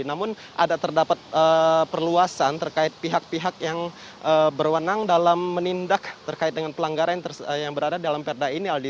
namun ada terdapat perluasan terkait pihak pihak yang berwenang dalam menindak terkait dengan pelanggaran yang berada dalam perda ini aldi